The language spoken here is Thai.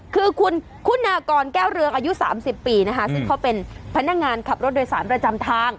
คือคุณคุณากรแก้วเรืองอายุ๓๐ปีนะคะซึ่งเขาเป็นพนักงานขับรถโดยสารประจำทาง